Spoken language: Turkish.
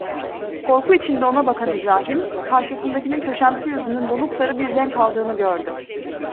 Korku içinde ona bakan İbrahim, karşısındakinin köşemsi yüzünün donuk sarı bir renk aldığını gördü.